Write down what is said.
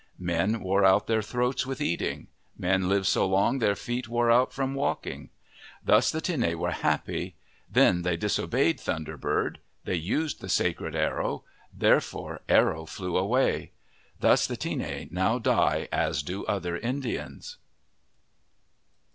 Men wore out their throats with eating. Men lived so long their feet wore out from walking. Thus the Tinne were happy. Then they disobeyed Thun der Bird. They used the sacred arrow, therefore Arrow flew away. Thus the Tinne now die as do other Indians.